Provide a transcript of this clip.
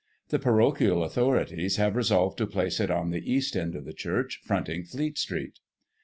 The parochial authorities have resolved to place it on the east end of the church, fronting Fleet Street."